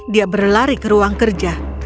dia berlari ke ruang kerja